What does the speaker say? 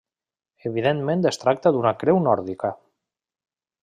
Evidentment es tracta d'una creu nòrdica.